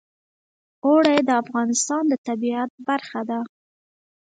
اوړي د افغانستان د طبیعت برخه ده.